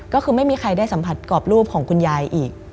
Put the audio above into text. ก็คือไม่มีใครได้สัมผัสกรอบรูปของคุณยายอีก